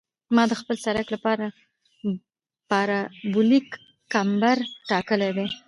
ما د خپل سرک لپاره پارابولیک کمبر ټاکلی دی